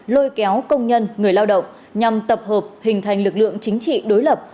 lôi kéo công nhân người lao động nhằm tập hợp hình thành lực lượng chính trị đối lập